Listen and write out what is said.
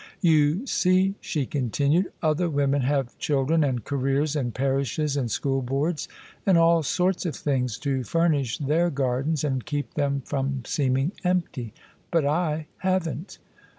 You see," she continued, " other women have chil dren and careers and parishes and school boards and all sorts of things to furnish their gardens and keep them from seeming empty: but I haven't."